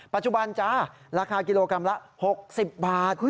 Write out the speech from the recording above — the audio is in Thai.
ปัจจุบันจ้าราคากิโลกรัมละ๖๐บาท